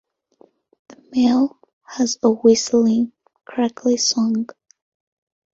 The male has a whistling, crackly song.